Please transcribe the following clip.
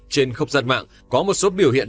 trên không gian mạng có một số biểu hiện